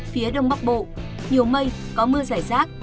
phía đông bắc bộ nhiều mây có mưa giải rác